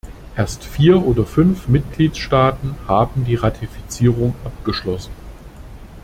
Erst vier oder fünf Mitgliedstaaten haben die Ratifizierung abgeschlossen.